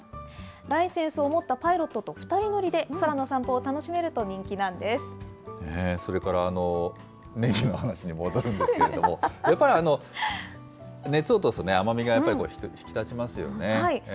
ライセンスを持ったパイロットと２人乗りで空の散歩を楽しめるとそれから、ねぎの話に戻るんですけれども、やっぱり熱を通すと甘みが引き立ちますよね。